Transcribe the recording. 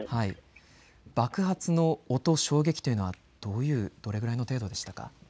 爆発の音、衝撃というのはどういう、どれくらいの程度でしたか。